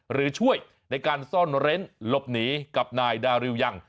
หรือช่วยในการซ่อนเร้นหลบหนีกับนายดาริวยัง